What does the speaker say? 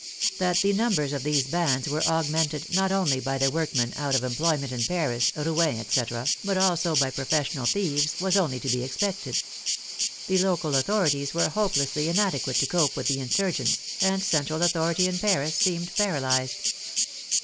That the numbers of these bands were augmented not only by the work men out of employment in Paris, Rouen, etc., but also by professional thieves, was only to be expected. The local authorities were hopelessly inadequate to cope with the insurgents, and central authority in Paris seemed paralyzed.